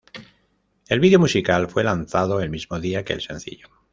El vídeo musical fue lanzado el mismo día que el sencillo.